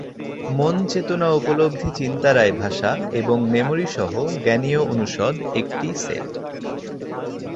মন চেতনা উপলব্ধি চিন্তা রায় ভাষা এবং মেমরি সহ জ্ঞানীয় অনুষদ একটি সেট।